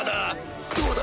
どうだ？